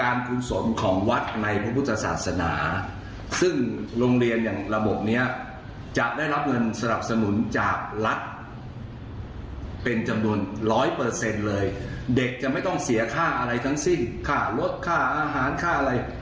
รสค่าอาหารค่าอะไร